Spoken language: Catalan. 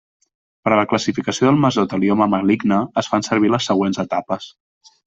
Per a la classificació del mesotelioma maligne es fan servir les següents etapes.